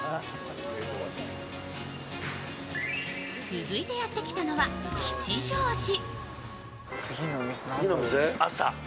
続いてやってきたのは吉祥寺。